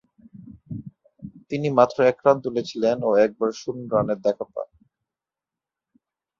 তিনি মাত্র এক রান তুলেছিলেন ও একবার শূন্য রানের দেখা পান।